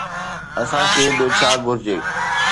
اسان کي ٻيو ڇا گهرجي؟